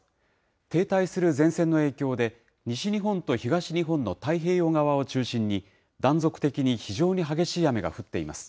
停滞する前線の影響で、西日本と東日本の太平洋側を中心に、断続的に非常に激しい雨が降っています。